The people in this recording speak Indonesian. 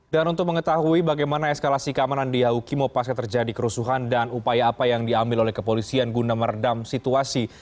dan untuk mengetahui bagaimana eskalasi keamanan di yahukimo pasca terjadi kerusuhan dan upaya apa yang diambil oleh kepolisian guna meredam situasi